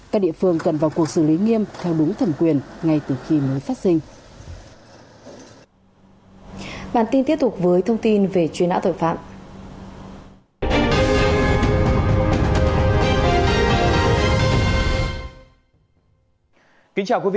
các địa phương cần vào cuộc xử lý nghiêm theo đúng thẩm quyền ngay từ khi mới phát sinh